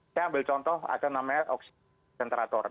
saya ambil contoh ada namanya oksigen terator